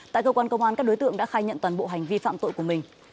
tại cơ quan công an các đối tượng đã khai nhận toàn bộ hành vi phạm tội của mình